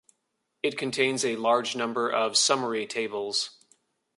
It contains a large number of summary tables.